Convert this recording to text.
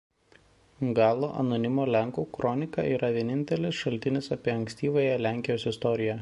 Galo Anonimo Lenkų kronika yra vienintelis šaltinis apie ankstyvąją Lenkijos istoriją.